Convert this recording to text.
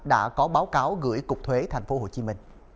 đã có báo cáo gửi cục thuế tp hcm